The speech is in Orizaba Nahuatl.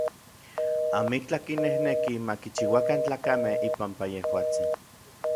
Amitlaj kinejneki ma kichiuakan tlakamej ipampa yejuatsin.